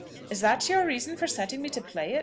"Is that your reason for setting me to play it?"